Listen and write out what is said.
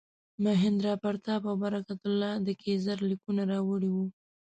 مهیندراپراتاپ او برکت الله د کیزر لیکونه راوړي وو.